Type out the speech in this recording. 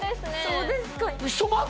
そうですか？